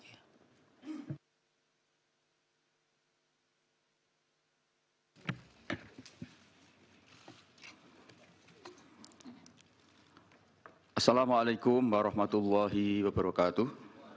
assalamu alaikum warahmatullahi wabarakatuh